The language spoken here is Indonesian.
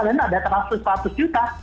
dan ada transaksi rp empat ratus juta